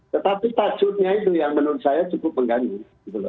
tetapi tajudnya itu yang menurut saya cukup mengganggu